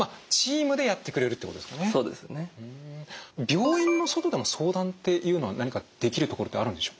病院の外でも相談っていうのは何かできる所ってあるんでしょうか？